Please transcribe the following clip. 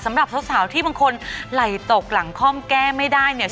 สำหรับสาวที่บางคนไหล่ตกหลังคล่อมแก้ไม่ได้เนี่ย